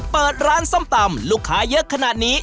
เปิดร้านส้มตำลูกค้าเยอะขนาดนี้